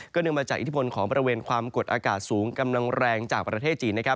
เนื่องมาจากอิทธิพลของบริเวณความกดอากาศสูงกำลังแรงจากประเทศจีนนะครับ